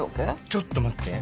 ちょっと待って。